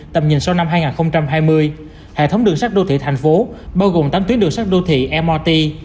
tầm nhìn sau năm hai nghìn hai mươi hệ thống đường sắt đô thị thành phố bao gồm tám tuyến đường sắt đô thị mrt